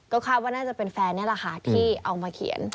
ก็คาดว่าน่าจะเป็นแฟนนี่แหละค่ะที่เอามาเขียน